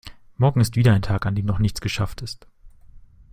Morgen ist wieder ein Tag an dem noch nichts geschafft ist.